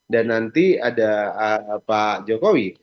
dan nanti ada pak jokowi